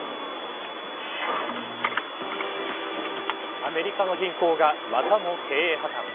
アメリカの銀行がまたも経営破綻。